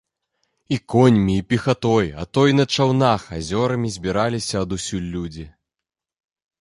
І коньмі, і пехатой, а то і на чаўнах азёрамі збіраліся адусюль людзі.